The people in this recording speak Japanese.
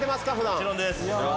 もちろんです。